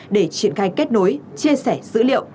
để triển khai kết nối chia sẻ dữ liệu